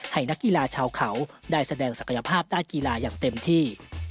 นักกีฬาชาวเขาได้แสดงศักยภาพด้านกีฬาอย่างเต็มที่